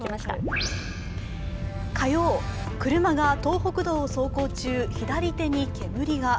火曜、車が東北道を走行中、左手に煙が。